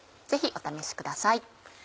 ぜひお試しください。